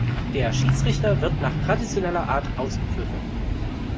Der Schiedsrichter wird nach traditioneller Art ausgepfiffen.